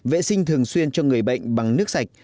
vệ sinh thường xuyên cho người bệnh bằng nước sạch